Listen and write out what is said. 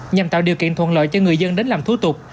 nhằm tạo điều kiện thuận lợi cho người dân đến làm thủ tục